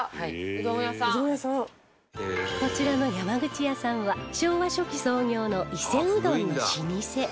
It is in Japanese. こちらの山口屋さんは昭和初期創業の伊勢うどんの老舗